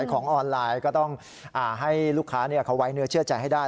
ของออนไลน์ก็ต้องให้ลูกค้าเขาไว้เนื้อเชื่อใจให้ได้